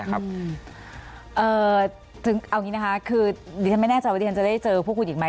เอาอย่างนี้นะคะคือดิฉันไม่แน่ใจว่าดิฉันจะได้เจอพวกคุณอีกไหม